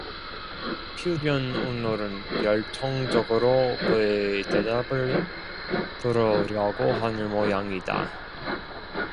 필연 오늘은 결정적으로 그의 대답을 들으려고 하는 모양이다.